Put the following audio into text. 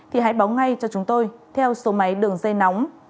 thì hãy báo ngay cho chúng tôi theo số máy đường dây nóng